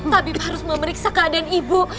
habib harus memeriksa keadaan ibu